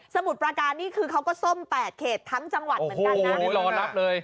มุดประการนี่คือเขาก็ส้มแปดเขตทั้งจังหวัดเหมือนกันนะโอ้รอนับเลย